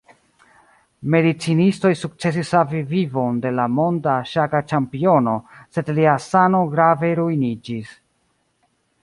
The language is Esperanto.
Medicinistoj sukcesis savi vivon de la monda ŝaka ĉampiono, sed lia sano grave ruiniĝis.